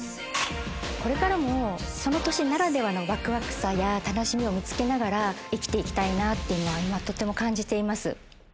これからもその年ならではのワクワクさや楽しみを見つけながら生きて行きたいなっていうのは今とっても感じています。